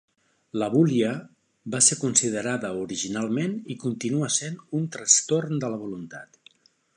L'abúlia va ser considerada originalment i continua sent un trastorn de la voluntat.